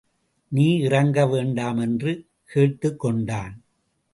நீ இறங்க வேண்டாம் என்று கேட்டுக் கொண்டான்.